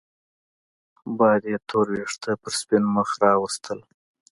باد يې تور وېښته پر سپين مخ راوستل